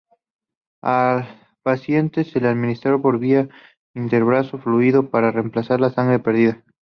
Al paciente se le administra por vía intravenosa fluidos para reemplazar la sangre perdida.